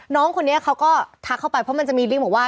น้องคนนี้เขาก็ทักเข้าไปเพราะมันจะมีลิงค์บอกว่า